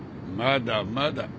まだまだ。